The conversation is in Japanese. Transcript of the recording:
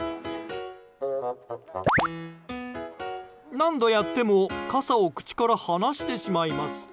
何度もやっても傘を口から放してしまいます。